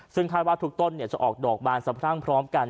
ซึ่งคาดว่าทุกต้นจะออกดอกบานสะพรั่งพร้อมกัน